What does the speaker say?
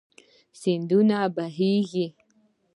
سیند بهېږي.